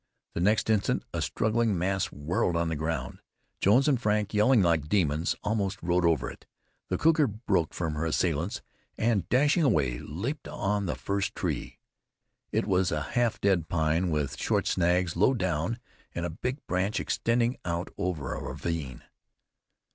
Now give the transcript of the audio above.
The next instant a struggling mass whirled on the ground. Jones and Frank, yelling like demons, almost rode over it. The cougar broke from her assailants, and dashing away leaped on the first tree. It was a half dead pine with short snags low down and a big branch extending out over a ravine.